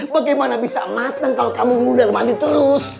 bagaimana bisa matang kalau kamu mundur mandi terus